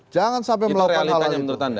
jangan sampai melakukan hal hal itu